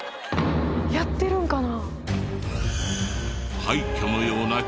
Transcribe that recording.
やってるんかな？